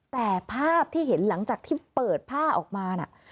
แต่ภาพที่เห็นหลังจากที่เปิดผ้าออกมาน่ะ